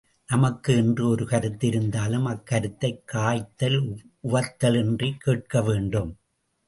நமக்கு என்று ஒரு கருத்து இருந்தாலும் அக்கருத்தைக் காய்தல், உவத்தலின்றிக் கேட்க வேண்டும்.